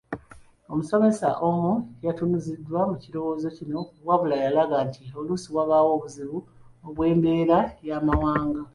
Omusomesa omu yatunuzibwa mu kirowooza kino wabula yalaga nti oluusi wabaawo obuzibu bw’embeera y’amawanga.